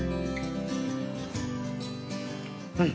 うん！